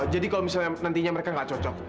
jadi kalau misalnya nantinya mereka gak cocok